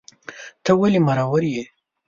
ته ولي مرور یې